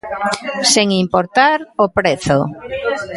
Sen importar o prezo.